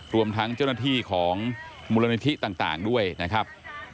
รวมทั้งเจ้าหน้าที่ของมูลนิธิต่างด้วยนะครับ